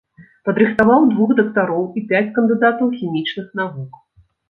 Падрыхтаваў двух дактароў і пяць кандыдатаў хімічных навук.